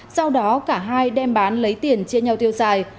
sau đó cả hai đem bán lấy tiền chia nhau tiêu xài